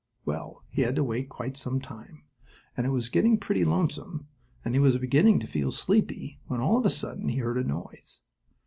Well, he had to wait quite some time, and it was getting pretty lonesome, and he was beginning to feel sleepy when, all of a sudden, he heard a noise!